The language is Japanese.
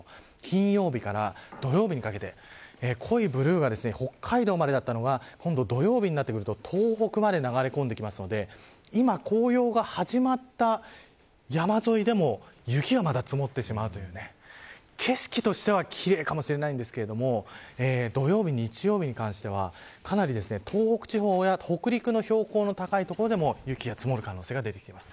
金曜日から土曜日にかけて濃いブルーが北海道までだったものだったのが今度、土曜日になってくると東北まで流れ込んでくるので今、紅葉が始まった山沿いでも雪がまた積もってしまうというね景色としては奇麗かもしれないんですが土曜日、日曜日に関してはかなり遠く、地方や北陸の標高の高い所でも雪が積もる可能性が出てきています。